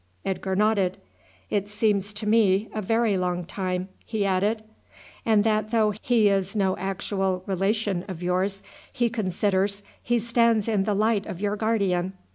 Edgar nodded. "It seems to me a very long time," he added. "And that though he is no actual relation of yours he considers he stands in the light of your guardian.